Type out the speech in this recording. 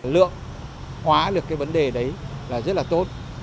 lượng hóa được cái vấn đề đấy là rất là tốt